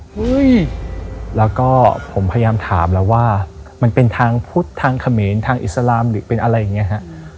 เฮ้ยแล้วก็ผมพยายามถามแล้วว่ามันเป็นทางพุทธทางเขมรทางอิสลามหรือเป็นอะไรอย่างนี้ฮะ